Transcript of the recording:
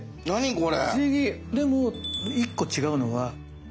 これ。